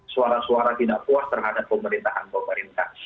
suara suara tidak puas terhadap pemerintahan pemerintah